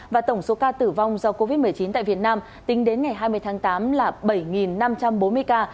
và tổng số ca tử vong do covid một mươi chín tại việt nam tính đến ngày hai mươi tháng tám là bảy năm trăm bốn mươi ca